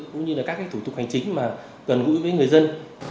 cũng như các thủ tục hành chính gần gũi với người dân